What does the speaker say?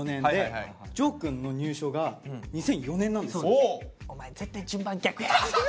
僕お前絶対順番逆やろ！